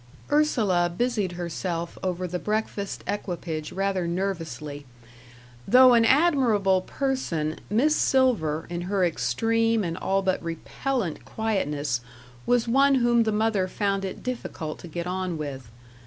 Ursula busied herself over the breakfast equipage rather nervously. Though an admirable person, Miss Silver in her extreme and all but repellant quietness was one whom the mother found it difficult to get on with.